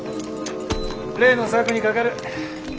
例の策にかかる。